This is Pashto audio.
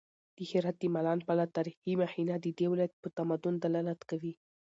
د هرات د مالان پله تاریخي مخینه د دې ولایت په تمدن دلالت کوي.